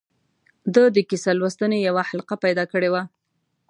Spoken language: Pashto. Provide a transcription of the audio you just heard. ده د کیسه لوستنې یوه حلقه پیدا کړې وه.